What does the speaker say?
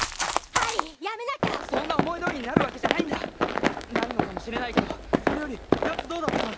ハリーやめなきゃそんな思いどおりになるわけじゃないんだなるのかもしれないけどそれよりやつどうだった？